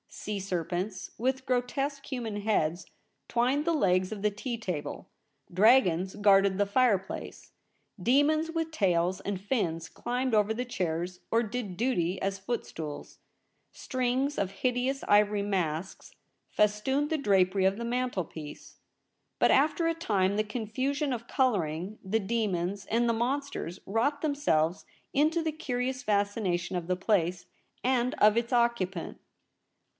Sea serpents, with grotesque human heads, twined the legs of the tea table ; dragons guarded the fireplace ; demons with tails and fins climbed over the chairs, or did duty as footstools ; strings of hideous ivory masks festooned the drapery of the mantelpiece. But after a time the confusion of colouring, the demons and the monsters wrought them selves into the curious fascination of the place and of its occupant.